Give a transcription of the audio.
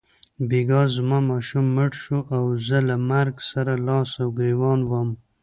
بیګا زما ماشوم مړ شو او زه له مرګ سره لاس او ګرېوان وم.